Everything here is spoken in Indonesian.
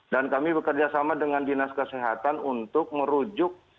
dan kami bekerja sama dengan dinas kesehatan untuk merujuk